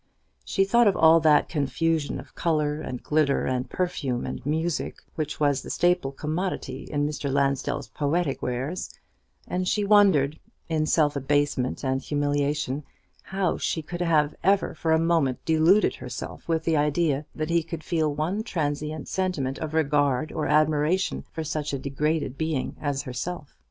She thought of all that confusion of colour and glitter and perfume and music which was the staple commodity in Mr. Lansdell's poetic wares; and she wondered, in self abasement and humiliation, how she could have ever for a moment deluded herself with the idea that he could feel one transient sentiment of regard or admiration for such a degraded being as herself.